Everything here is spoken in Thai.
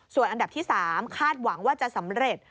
ส่วนอันดับที่๓คาดหวังว่าจะสำเร็จ